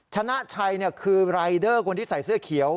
ชนะชัยคือรายเดอร์คนที่ใส่เสื้อเขียว